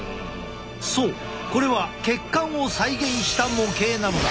そうこれは血管を再現した模型なのだ。